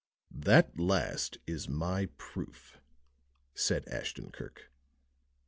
"That last is my proof," said Ashton Kirk.